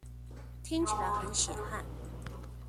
聽起來很血汗